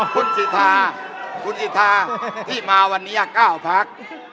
คุณสิทธาคุณสิทธาที่มาวันนี้๙พัก